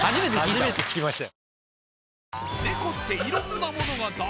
初めて聞きました。